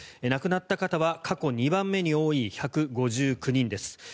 亡くなった方は過去２番目に多い１５９人です。